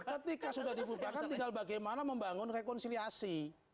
ketika sudah dibubarkan tinggal bagaimana membangun rekonsiliasi